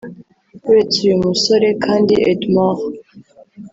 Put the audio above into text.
Buretse uyu musore kandi Edmore